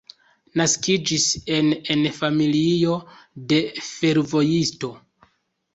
Naskiĝis en en familio de fervojisto.